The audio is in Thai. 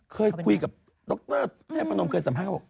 เคยคุยกับดรแพทย์พนมเคยสำหรับ